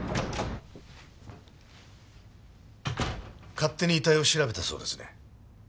勝手に遺体を調べたそうですね。